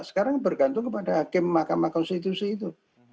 sekarang bergantung kepada hakim mahkamah konstitusi itu